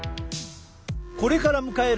これから迎える夏本番。